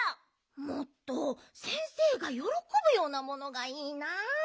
もっと先生がよろこぶようなものがいいなあ。